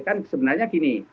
kan sebenarnya gini